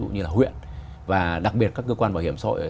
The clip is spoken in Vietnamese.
cũng như là huyện và đặc biệt các cơ quan bảo hiểm xã hội